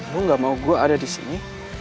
lo gak mau gue ada disini